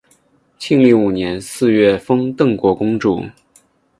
庆历五年四月封邓国公主。